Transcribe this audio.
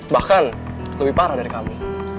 bahkan lebih parah dari kami